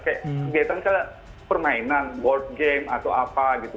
kayak kegiatan misalnya permainan board game atau apa gitu